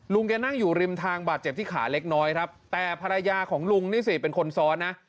แกนั่งอยู่ริมทางบาดเจ็บที่ขาเล็กน้อยครับแต่ภรรยาของลุงนี่สิเป็นคนซ้อนนะ